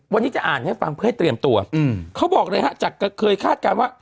วันนี้จะอ่านให้ฟังเพื่อให้เตรียมตัวอืมเขาบอกเลยฮะจากเคยคาดการณ์ว่า